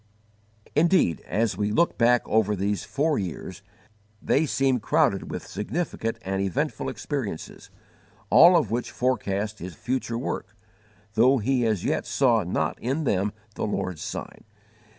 Indeed, as we look back over these four years, they seem crowded with significant and eventful experiences, all of which forecast his future work, though he as yet saw not in them the Lord's sign.